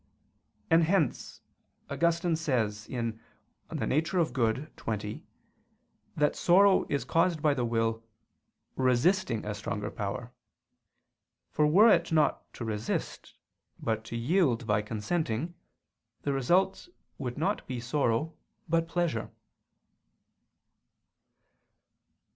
And hence Augustine says (De Nat. Boni xx) that sorrow is caused by the will "resisting a stronger power": for were it not to resist, but to yield by consenting, the result would be not sorrow but pleasure.